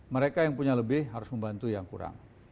mereka yang punya lebih harus membantu yang kurang